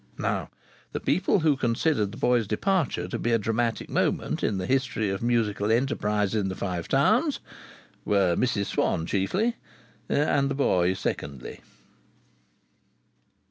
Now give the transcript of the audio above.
Now, the people who considered the boy's departure to be a dramatic moment in the history of musical enterprise in the Five Towns were Mrs Swann, chiefly, and the boy, secondarily.